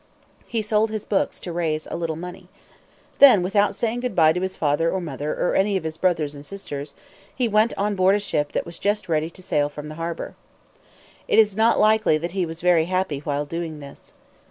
He sold his books to raise a little money. Then, without saying good bye to his father or mother or any of his brothers or sisters, he went on board a ship that was just ready to sail from the harbor. It is not likely that he was very happy while doing this.